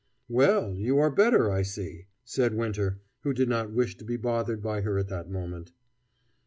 "Well, you are better, I see," said Winter, who did not wish to be bothered by her at that moment.